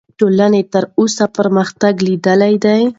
ټولنې تر اوسه پرمختګ لیدلی دی.